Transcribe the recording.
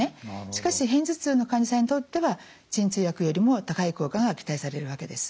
しかし片頭痛の患者さんにとっては鎮痛薬よりも高い効果が期待されるわけです。